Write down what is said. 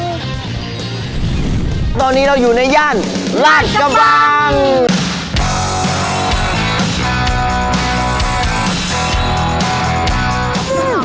ตอนนี้เราอยู่ในย่านลาดกระบัง